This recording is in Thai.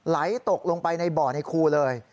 ไหลตกลงไปในบ่อในคูเลย